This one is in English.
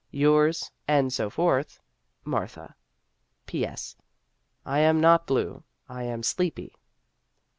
Yours and so forth, MARTHA. P. S. I am not blue ; I am sleepy.